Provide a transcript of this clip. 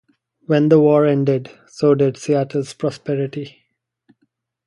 When the war ended, so did Seattle's prosperity.